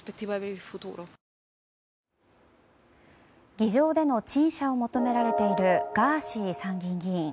議場での陳謝を求められているガーシー参議院議員。